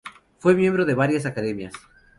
Fue miembro de varias Academias.